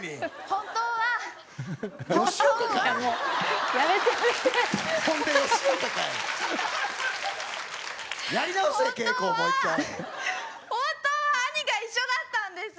本当は兄が一緒だったんです！